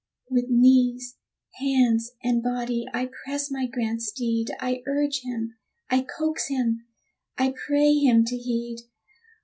With knees, hands, and body I press my grand steed I urge him, I coax him, I pray him to heed!